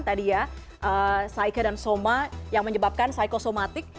tadi ya saike dan soma yang menyebabkan psikosomatik